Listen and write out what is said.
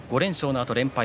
５連勝のあと連敗